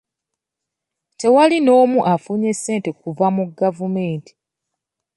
Tewali n'omu afunye ssente kuva mu gavumenti.